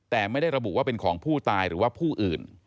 แต่ไม่ได้ระบุว่าเป็นของผู้ตายหรือว่าผู้อื่น